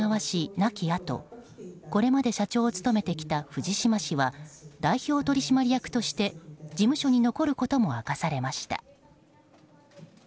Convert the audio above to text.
亡きあとこれまで社長を務めてきた藤島氏は代表取締役として事務所に残ることも明かされました。